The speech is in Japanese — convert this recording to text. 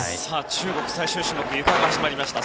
中国、最終種目のゆかが始まりました。